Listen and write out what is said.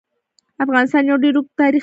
افغانستان يو ډير اوږد تاريخ لري.